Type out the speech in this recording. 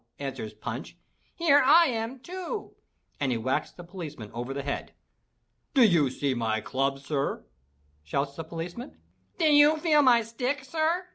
answers Punch. "Here I am too!" and he whacks the policeman over the head! — "Do you see my club, sir?" shouts the policeman. "Do you feel my stick, sir?"